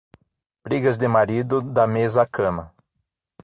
Brigas de marido, da mesa à cama.